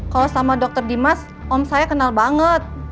kalau sama dokter dimas om saya kenal banget